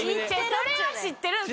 それは知ってるんですよ。